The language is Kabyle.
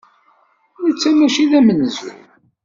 Netta maci d amenzug.